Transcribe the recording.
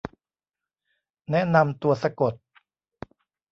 แนะนำตัวสะกด